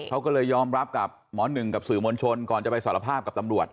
เขาก็เลยยอมรับกับหมอหนึ่งกับสื่อมวลชนก่อนจะไปสารภาพกับตำรวจ